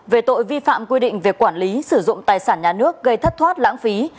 về tội vi phạm quy định về quản lý sử dụng tài sản nhà nước gây thất thoát lãng phí